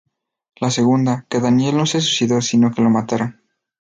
La segunda, que Daniel no se suicidó sino que lo mataron.